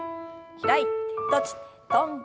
開いて閉じて跳んで。